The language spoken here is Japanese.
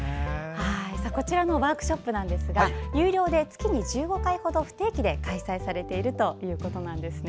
こちらのワークショップは有料で月に１５回ほど不定期で開催されているということです。